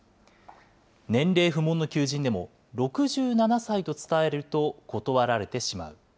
年齢不問の求人でも、６７歳と伝えると断られてしまう。